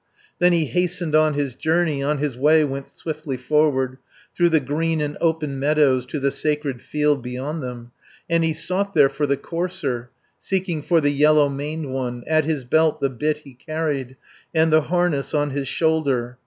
Then he hastened on his journey, On his way went swiftly forward, Through the green and open meadows, To the sacred field beyond them, And he sought there for the courser, Seeking for the yellow maned one. 290 At his belt the bit he carried, And the harness on his shoulder.